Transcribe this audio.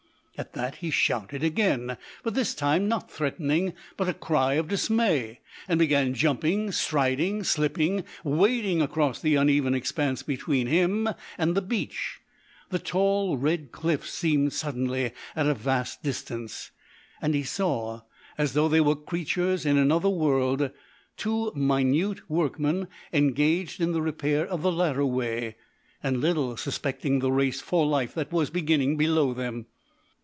At that he shouted again, but this time not threatening, but a cry of dismay, and began jumping, striding, slipping, wading across the uneven expanse between him and the beach. The tall red cliffs seemed suddenly at a vast distance, and he saw, as though they were creatures in another world, two minute workmen engaged in the repair of the ladder way, and little suspecting the race for life that was beginning below them.